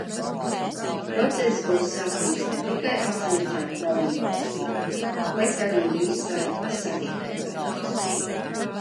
Process būs sāpīgs ne tikai atsevišķām dalībvalstīm, bet arī visai Savienībai.